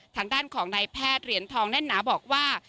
ทางด้านของนายแพทย์เหรียญทองแน่นหนาบอกว่า